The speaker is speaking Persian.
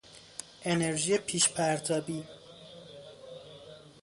انرژی پیشپرتابی